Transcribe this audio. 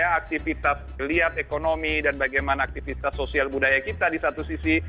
bagaimana aktivitas lihat ekonomi dan bagaimana aktivitas sosial budaya kita di satu sisi